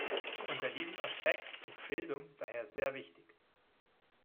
Unter diesem Aspekt ist Bildung daher sehr wichtig.